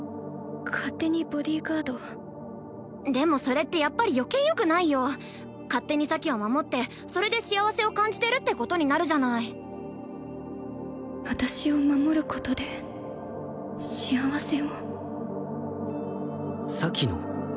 勝手にボディーガードでもそれってやっぱり余計よくないよ勝手に咲を守ってそれで幸せを感じてるってことになるじゃない私を守ることで幸せを咲の？